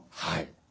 はい。